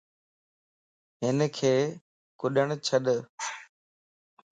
ھنک ڪڏڻ ڇڏ